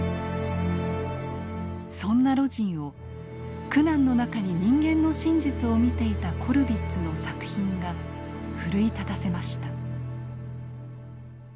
そんな魯迅を苦難の中に人間の真実を見ていたコルヴィッツの作品が奮い立たせました。